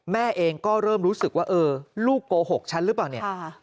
แม่เองก็เริ่มรู้สึกว่าเออลูกโกหกฉันหรือเปล่าเนี่ย